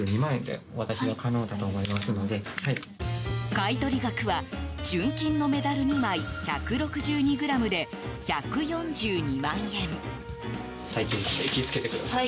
買い取り額は純金のメダル２枚、１６２ｇで１４２万円。